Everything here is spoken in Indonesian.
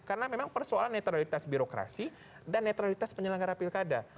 karena memang persoalan netralitas birokrasi dan netralitas penyelenggara pilkada